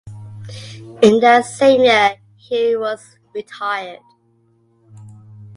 In that same year he was retired.